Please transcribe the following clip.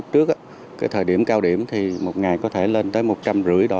thời điểm cao điểm thì một ngày có thể lên tới một trăm rưỡi đò